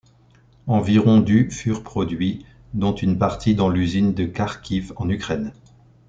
Environ du furent produits, dont une partie dans l'usine de Kharkiv, en Ukraine.